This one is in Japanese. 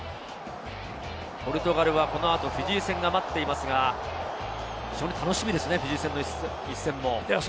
ポルトガルはこの後フィジー戦が待っていますが、非常に楽しみですね、フィジー戦も。